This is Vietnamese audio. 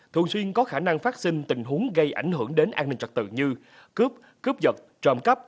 thường xuyên có khả năng phát sinh tình huống gây ảnh hưởng đến an ninh trật tự như cướp cướp vật trộm cắp